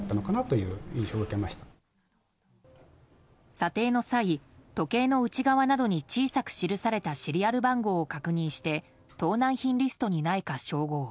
査定の際、時計の内側などに小さく記されているシリアル番号を確認して盗難品リストにないか照合。